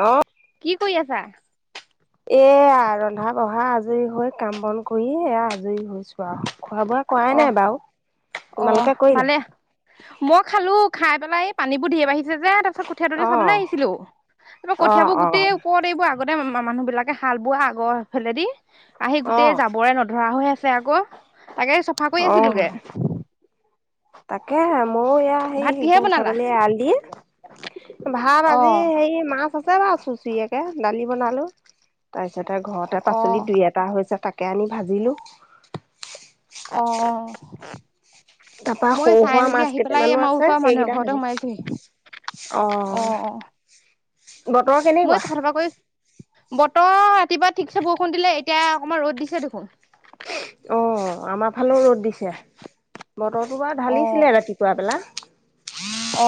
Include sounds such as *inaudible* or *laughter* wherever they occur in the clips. অ'। কি কৰি আছা? এয়া ৰন্ধা বঢ়া আজৰি হয় কাম বন কৰি এয়া আজৰি হৈ- চোৱা খোৱা বোৱা কৰাই অহ নাই বাৰু অহ তোমালোকে কৰিলা। ভালে মই খালোঁ খাই পেলাই এই পানীবোৰ ধেঢ বাঢ়িছে যে ত- *unintelligible* কঠিয় তলি চাবলৈ অ', আহিছিলো তা অ', কঠিয়াবোৰ অ', গোটেই ওপৰত এইবোৰ আগত- তাতে মানুহ বিলাকে হাল বোৱা আগৰ ফালেদি আহি গোটেই অ', যাবৰে নধৰা হৈ আছে আকৌ। তাকে চফা কৰি অ'। আছিলোগে- তাকে মইো এয়া সেই ভাত কিহে গৰু বনালা? ছাগলীয়ে এয়া-লদি ভাত অহ আজি হেৰি মাছ আছে বা চুচৰিয়েকে দালি বনালো- তাৰপিছতে ঘৰতে অহ পাচলি দুই এটা হৈছে তাকে আনি ভাজিলো। অহ। তাপা মই সৰু চাই সুৰা মেলি মাছ আহি পেলাই এই কেইটামানো আমাৰ আছে ওচৰৰ মানুহ সেইকেইটা এঘৰতে সোমাইছোহি ভাজিলো। অহ। বতৰ মই কেনেকুৱা? চাফা তাফা কৰি বতৰ ৰাতিপুৱা ঠিকছে বৰষুণ দিলে এতিয়া অকণমান ৰ'দ দিছে দেখোন। অ আমাৰ ফালেও ৰ'দ দিছে বতৰটো বাৰু ঢালিছিলে ৰাতিপুৱা বেলা-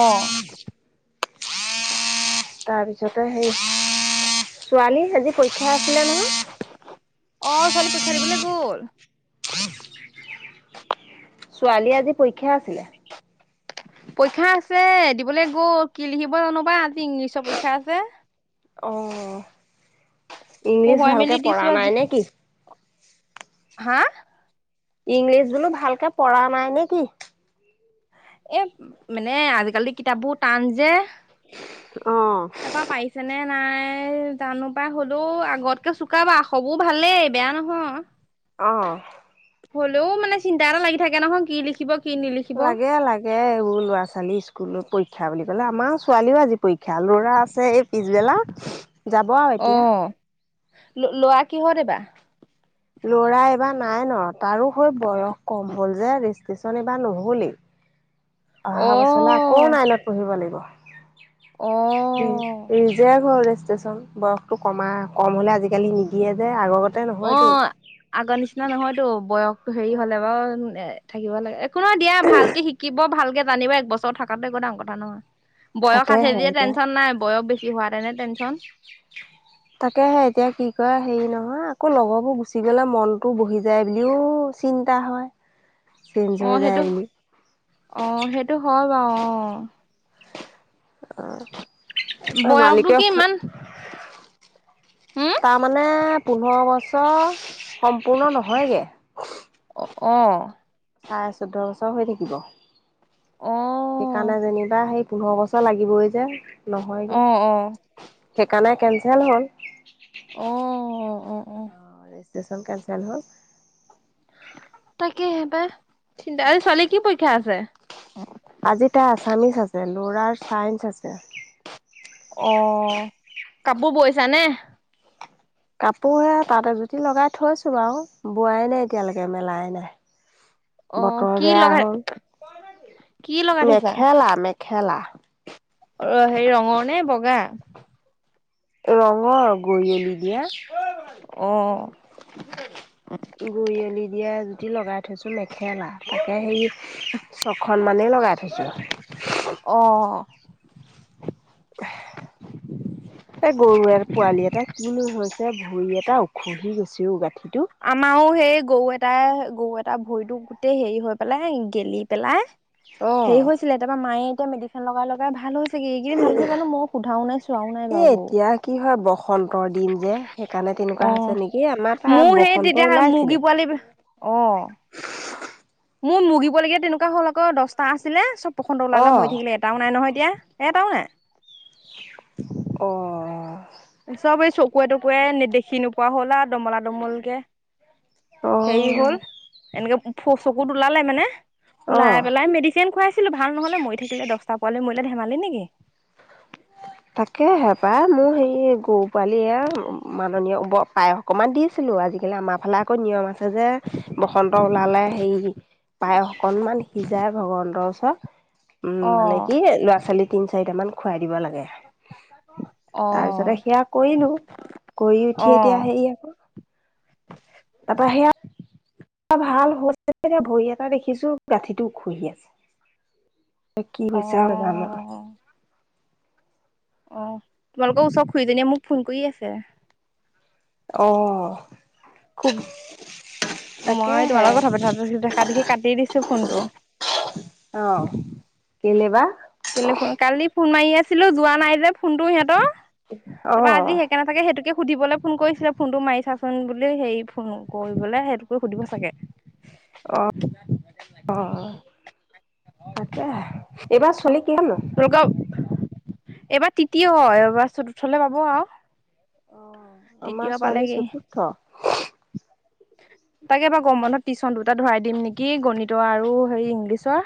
অ হ তাৰ পিছতে হে ছোৱালী আজি পৰীক্ষা আছিলে ন। অ ছোৱালী পৰীক্ষা দিবলে গ'ল। ছোৱালী আজি পৰীক্ষা আছিলে। পৰীক্ষা আছে দিবলৈ গল কি লিখিব জানো বা আজি ইংলিছৰ পৰীক্ষা আছে। অ ইংলিছ পঢ়ুৱাই মেলি ভালকে দিছো পঢ়া নাই আজি নে কি? হা? ইংলিছ বোলো ভালকে পঢ়া নাই নেকি? এ মানে আজিকালি কিতাপবোৰ টান যে- অ'। তাপা পাৰিছে নে- নাই জানো পাই হলেও আগতকে চুকাবা সবো ভালেই বেয়া নহয়। অহ। হলেও মানে চিন্তা এটা লাগি থাকে নহয় কি লিখিব- কি নিলিখিব লাগে লাগে এইবোৰ ল'ৰা ছোৱালী স্কুলত পৰীক্ষা- পৰীক্ষা বুলি কলে আমাৰ ছোৱালীও আজি পৰীক্ষা ল'ৰাৰ আছে এই পিছবেলা। যাব আৰু অ এতিয়া। লৰা কিহত এবাৰ? লৰা এবাৰ নাই ন তাৰো হয় বয়স কম হ'ল যে কিছন বা নহ'লেই। অহা অ বছে আকৌ নাইলত পঢ়িব লাগিব। অ নি যে ঘৰত আছে। বয়সটো কমা কম হলে আজিকালি নিদিয়ে। যে আগৰগতে অ নহয়তো। আগৰ নিচিনা নহয়তো বয়স হেৰি হলে বাৰু থাকিব লাগে একো নহ দিয়া ভালকে শিকিব ভালকে জানিব একবছৰ থকাাতো একো দাঙৰ কথা নহয়। বয়স আছে তাকেহে যে এতিয়া টেনশন নাই বয়স বেছি হোৱা তেনে টেনচন। তাকেহে এতিয়া কি কয় হেৰি নহয়, নহ আকৌ লগৰবোৰ গুচি গলে মনটো বহি যায় বুলিও চিন্তা হয়। চেঞ্জ অহ, হৈ যায় সেইটো বুলি। অহ, সেইটো হয় বাৰু অহ। বয়সটো মালিকে কি ইমান হম তাৰমানে পোন্ধৰ বছৰ সম্পূৰ্ণ নহয়গে। অ', অ', চাৰে চৈধ্য বছৰ হৈ থাকিব অ', সেইকাৰণে যেনিবা সেই পোন্ধৰ বছৰ লাগিবই যে নহয়গৈ অ', সেইকাৰণে কেঞ্চেল হ'ল। অহ, অ', অ', অ', ৰেজষ্ট্ৰচন কেচেল হ'ল। তাকে সব চিন্তা আৰু ছোৱালীৰ কি পৰীক্ষা আছে। আজি তাইৰ আছামিছ আছে ল'ৰাৰ চাইন্ঞ্চ আছে। অ', কাপোৰ বৈছা নে? কাপোৰ হে তাতে জুতি লগাই থৈছো বাৰু বোৱাই নাই এতিয়ালৈকে মেলাই নাই। অ', বতৰ কি বেয়া লগাই হ'ল। কি লগাই থৈছা? মেখেলা - মেখেলা। অ, হেৰি ৰঙৰ নে বগা। ৰঙৰ গৰিয়লি দিয়া। অ', গুৰি অলি দিয়া যুদি লগা থৈছো মেখেলা তাকে সেই ছখনমানেই লগাই থৈছো। অ', এই গৰু পোৱালি এটা কিনো হৈছে ভৰি এটা উখহি গৈছে গাঠিত। আমাৰো সেই গৰু এটা গৰু এটা ভৰিটো গোটেই হেৰি হৈ পেলাই গেলি পেলাই অ। হেৰি হৈছিলে তাৰাপৰা মায়ে মেডিচিন লগাই ভাল হৈছে। চাগ এইকিনি ভাল আছে জানো মই সোধাও নাই চোৱাও নাই এ বাৰুকৌ এতিয়া কি হয় বসন্তৰ দিন যে সেইকাৰণে তেনেকুৱা অ, হৈছে নেকি আমাৰ তাৰ মোৰ সেই বসন্ত তেতিয়া ওলাইছিলে। মুৰ্গী পোৱালি অ', মোৰ মুৰ্গিবলগীয়া তেনেকুৱা হ'ল আকৌ দহটা আছিলে চব প্ৰসন্ত ওালে অ মৰি থাকিলে এটাও নাই নহয় এতিয়া এটাও নাই। অ', চব এই চকুৱে তকুৱে নেদখি নোপোৱা হ'ল আৰু দমলা দমলকে হেৰি হ'ল অ', এনেকে চকুত ওলালে মানে ওলাই অ'। পেলাই মেডিচিন খুৱাইছিলো ভাল নহলে মৰি থাকিলে দহটা পোৱালে ম ধেমালি নেকি। হয়। তাকে হেপা মোৰ হে গৰু পোৱালি মাননীয় পায়স অকণমান দিছিলো আজি। গতিকে আমাৰালে আকৌ নিয়ম আছে। যে বসন্ত ওলালে হে পায় অকণমান সিজাই ভগৱন্তৰ ত' উম, মানে অ', কি লৰা ছোৱালী তিন চাৰিট মান খুৱাই দিব লাগে। অ', তাৰপিছতে সেয়া কৰিলো কৰি উঠি এতিয়া অ', হে আকৌ তাপ সেয়া ভালতি ভৰি এটা দেখিছো গাঁঠিটো খুহি আছে ত কি বৈছ আৰু কাৰণ অ', অ তোমালোকে চব খুইদিয় মোক ফোন কৰি আছে অ খুব মই তাকেহে তোমাৰ লগৰ ভাপি দেখা দেখি কাটি দিছো ফোনটো অ কেলে বাা কেলে ফোন কালি ফোন মাৰি আছিলো যোৱা নাই যে ফোনটোো সিহতৰ তাৰপা আজি অ', সেই কে ন থাকে সেইটোকে সুধিবলৈ ফোন কৰিছিলে ফোনটো মাৰি চাচোন হেৰি ফোন কৰিবলে সেইটোকে সুধিব চাগে অ', অ', তাকে এইবাৰ চল কি হনো তোমালোকৰ এইবাৰ তৃতীয় হয় এইবাৰ চতুৰ্থলে পাব আৰু অ', আমাৰ তৃতীয় ছোৱালী পালেগেই। চতুৰ্থ। তাকে এবাৰ গম বন্ধত টিচন দুটা ধৰাই দিম নেকি গণিত আৰু হেৰি ইংলিছৰ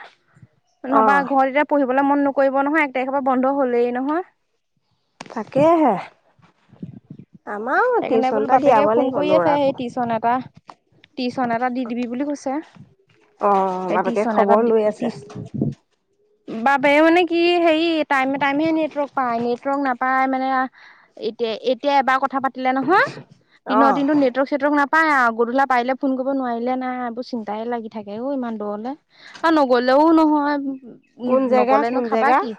নহবা অ', ঘৰত এতিয়া পঢ়িবলৈ মন নকৰিব নহয় এক তাৰিখেৰ পৰা বন্ধ হলেই নহয় তাকেহে আমাৰো সেইকাৰণে টিউচন বোলো এটা বাপেকে দিয়াব ফোন লাগিব কৰি আছে সেই ল'ৰাকো। টিউচন এটা টিশন এটা দি দিবি বুলি কৈছে অ', সেইটিশ বাপেকে ন খবৰ লৈ আছে পাবছ বাপ মানে কি হেৰি টাইম টাইমে নেটৱৰ্ক পায় নেটৱৰ্ক নাপায় মানে এতিয়া এতিয়া এবাৰ কথা পাতিলে নহয় দিনৰ অ', দিনতো নেটৱৰ্ক চেটৱৰ্ক নাপ পাই আৰু গধূলা পাৰিলে ফোন কৰিব নোৱাৰিলে নাই এইবোৰ চিন্তাই লাগি থাকে হ' ইমান দূৰলৈ আৰু নগলেও নহয় উ কোন জেগা নগলে কোন নো খাবা জেগা? কি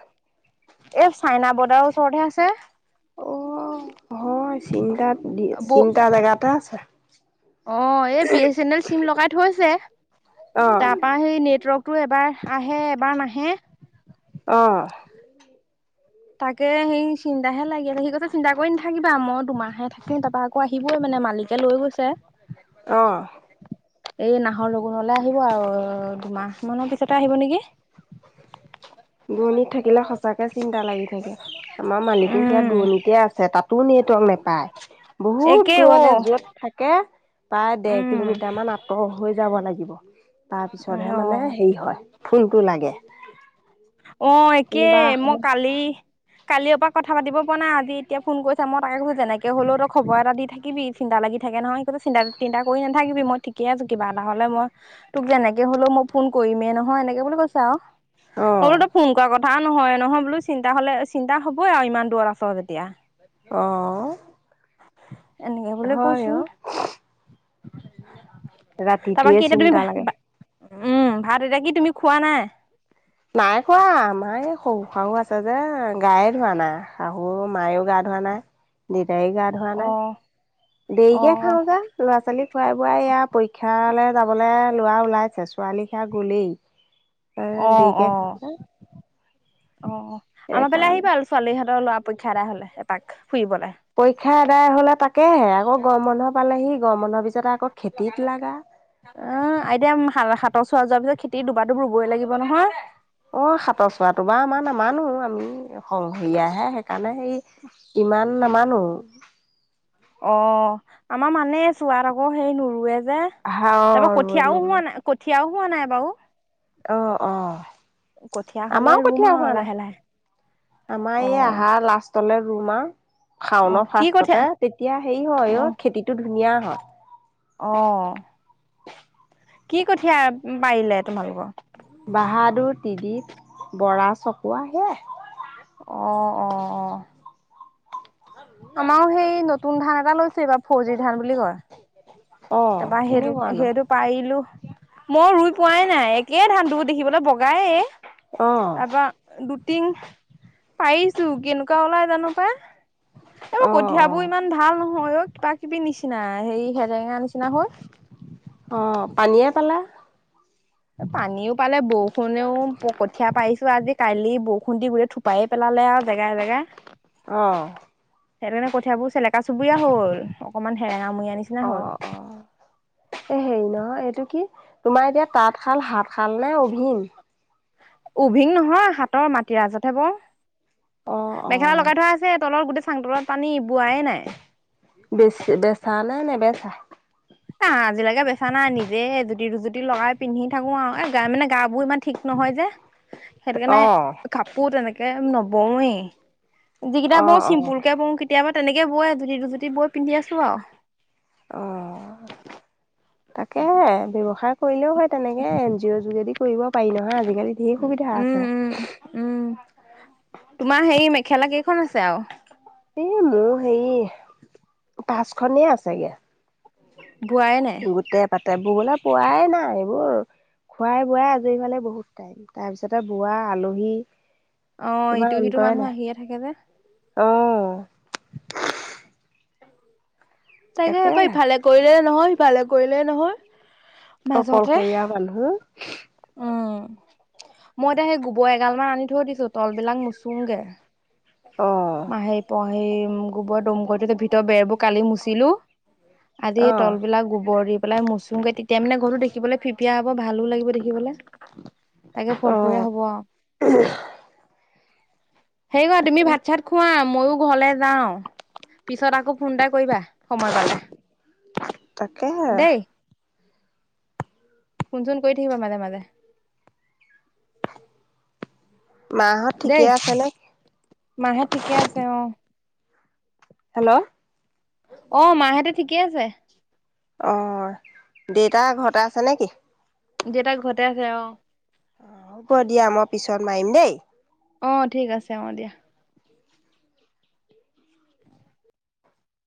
এই চাইনা বৰ্ডাৰৰ ওচৰতহে আছে অ হয় চিন্তাত দি ব চিন্তা জেগাতে আছে অ এই B S N L sim লগাই থৈছে অ', তাৰ পৰাা সেই নেটৱৰ্ক তটো এবাৰ আহে এবাৰ নাহে আহ তাকে সেই চিন্তাহে লাগিলেে সেই কথা চিন্তা কৰি নাথাকিবা মই দুমাহে থাকি তাৰাপা আকৌ আহিবই মানে ে মালিকে লৈ গৈছে আহ এই নাহৰ লগুণলে আহিব আৰু দুমাহ মানৰ পিছতে আহিব নেকি দূণিত থাকিলে সঁচাকে চিন্তা লাগি থাকে আমাৰ মালিকো সে উম দূৰণিতেয় আছে তাতো নেটৱক নোপায় বহুত খুব একে অ দূৰলে য'ত থাকে প্ৰায় দেেৰ উম কিলোমিটাৰ মান আঁতৰ হৈ যাব লাগিব তাৰ উম পিছতহে অ মানে হেৰি হয় ফুলটো লাগে অ একেই কোনোবা মই সময় কালি কালিৰ পৰা কথা পাতি পৰা নাইজ এতিয়া ফোন কৰিা মই তাকে কৈছো যেনেকে হলেও ত খবৰ এটা দি থাকিবি চিন্তা লাগি থাকে থাকে নহয় সেই চিন্তা তিন্তা কৰি নাথাকিবি মই ঠিকে আছো কিবা এটা হ'লে মই তোক যেনেকে হ'লেও মই ফোন কৰি মে নহয় এনেকে বুলি কৈছে আৰু বোলো অ', তই ফোন কৰ কথা নহয় নহয় বোলো চিন্তা হলে চিন্তা হ'ই আৰু ইমান দূৰ আছ তেতিয়া আহঁ এনেকে বোলে কৈছো তাৰপা ৰাতিটোয়ে কি এতিয়া তুমি চিন্তা লাগে উম ভাত এতিয়া কি তুমি খোৱা নাই নাই খোৱা আমাৰ এই শহু শাহু আছে যে গায়ে ধোৱা না শাহু মায়ও গা ধোৱা মানে দিদাৰ গা ধোৱা নাই অ' দেৰিকে অ' খাওঁ যা ল'ৰা ছোৱালী খুৱাই বোৱাই ইয়া পৰীক্ষা তালে যাবলে লৰা ওলাইছে ছোৱালী সেয়া গলেই। অ অ' দিিকে অ' খাওঁতো অ আমাৰ ফালে আহিবা আৰু ছোৱালীহঁতৰ লৰা পৰীক্ষা এটা হলে এপাক ফুৰিবলৈ দাই হলে তাকেহে আকৌ গৰ বন্ুধৰ পালেহি গৰম বন্ধহৰ পিছতে আকৌ খেতিত লগাগা অ এতিয়া হাতৰ চোৱা যোৱাৰ পিছত খেতি দুবা দুব ৰুবই লাগিব নহয়। অ সাতৰ চোৱাটো বাাৰ আমাৰ নামানো আমি সংঘৰীয়াহে সেইকাৰণে সেই ইমান নামানো অ আমাৰ মানে চোৱাত আকৌ সেই নৰুৱে, যে আহা অ তাৰপা ৰুৱে কঠীয়াও নহয় হোৱা নাই কঠিয়ও হোৱা নাই বাৰু অ অ কঠীয়া হ'লে আমাৰও ৰুম কঠীয়া আৰু হোৱা নাই লাহে লাহে। আমাৰ এই অ', আহা লাষ্টলৈ ৰুম আৰু খাও ন অ', কি কঠীয়া ফাৰ্ষ্টতে তেতিয়া হেৰি হয় অ', খেতিটো ধুনীয়া হয় অ কি কঠীয়া পাৰিলে তোমালোকৰ। বাহাদুৰ টিদপ বৰা চকোৱা সে অ অ অ, আমাৰো সেই নতুন ধান এটা লৈছে এইবাৰ ফৌজিৰ ধান বুলি কয় অ তাৰপৰা হেৰু কেনেকুৱানো হেৰু পাইলো মই ৰুই পোৱাই নাই একে ধানটোোৰ দেখিবলৈ বগাই অ তাৰপা দুটিং পাৰিছো কেনেকুৱা ওলাই জানো পাই। এইবোৰ অ অ কঠিয়াবোৰ ইমান ভাল নহয় অ কিবা কিবি নিচিনা হেৰি হেৰেঙা নিচিনা, কিনা হল। অ পানীয়ে পালে। পানীও পালে বৰষুণও কঠিয়া পাইিছো আজি কালি বৰষুণ দি গুট থোপায়ে পেলা হলে আও জেগাই জেগাই। আহঁ সেইকাৰণে কঠিয়াবোৰ চেলেকা চুবুৰীয়া হ'ল। অকমান হেৰা নামৰি আনিছ না অ হ'ল অ এই হেৰি নহয় এইটো কি, তোমাৰ এতিয়া তাঁত শাল, হাত শাল নে অভিন? উভিং নহয়, হাতৰ মাটিৰ ৰাজতহে বও। অ অ মেখেলা লগাই থোৱা আছে, তলৰ গোটেই চাং তলত পানী বোৱাই নাই। বেচি বেচা নাই নাই বেচা আহ, আজিলৈকে বেচা নাই নিজে এজুতি-দুজুতি লগাই পিন্ধি থাকো আও। এ মানে গা বোৰ ইমান ঠিক নহয়। নহয় যে সেইটো কাৰণে অ কাপোৰ তেনেকে নবওঁৱেই যিকেইটা অ বওঁ অ চিম্পুল কেে বওঁ কেতিয়াবা তেনেকে বই জুতি দুজুতি বৈ পিন্ধি আছো আৰু অ তাকে ব্য্ৱসায় কৰিলেও হয় তেনেকে এন জি অ'ৰ যোগেদি কৰিব পাৰি নহয় আজিকালি ধঢেৰ সুবিধা আছে তোমাৰ সেই মেখেলা কেইখন আছে আও? এ মোৰ হে পাঁচখনেই আছেগে বুৱাই নাই *unintelligible* পোৱাই নাই এইবোৰ। খোৱাই-বোৱাই আজৰি হোৱালে বহুত টাইম, তাৰপিছতে বোৱা আলহী অ ইটো সিটো মানুহ আহিয়ে থাকে যে আহ তাকে সপ ইফালে কৰিলে নহয় সিফালে কৰিলে নহয় মাজতে অকলশৰীয়া মানুহ উম মই এতিয়া সেই গোবৰ এগাল মান আনি থৈ দিছো তল বিলাক মোচুংগে। অ মই সেই প সেই গোবৰ দমগটো ভিতৰত বেৰবোৰ কালি মুচিলো। আদি অ তল বিিলাক গোবৰ পেলাই মোচুম গাই তেতিয়া মানে ঘৰো দেখিবলৈ ফিপিয়া হ'ব ভালো লাগিব দেখিবলৈ তাকে অ ফৰফুৰে হব। হেই কৰা তুমি তাকে ভাত চাত খোৱাা মইয়ও ঘৰলৈ যাওঁ পিছত আকৌ ফোন এটা কৰিবা সময় পালে, তাকেহে দেই। ফোন চোন কৰি থাকিবা মাজে মাজে। মাহঁত ঠিকে দেই আছেনে মাহে ঠিকে আছে অ। হেল্ল' অ মাহেঁতে ঠিকেই আছে। অ দেউতা ঘৰতে আছে নেকি? দেউতাক ঘৰতে আছে অহ। অ হ'ব দিয়া মই পিছত মাৰিম দেই আহ ঠিক আছে অ দিয়া